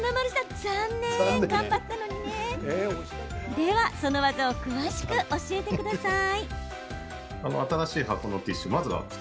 では、その技を詳しく教えてください。